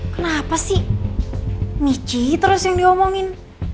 kenapa sih michi terus yang diomongin